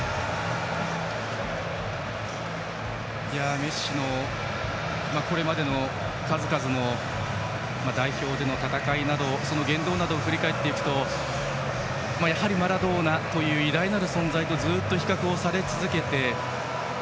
メッシのこれまでの数々の代表での戦いなどその言動などを振り返っていくとやはりマラドーナという偉大なる存在とずっと比較され続けて。